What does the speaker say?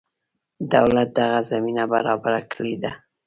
دولت دغه زمینه برابره کړې ده.